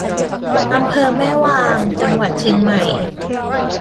อำเภอแม่วาง จังหวัดเชียงใหม่